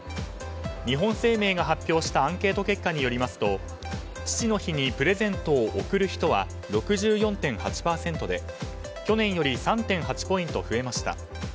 日本生命が発表したアンケート結果によりますと父の日にプレゼントを贈る人は６４．８％で去年より３．８ポイント増えました。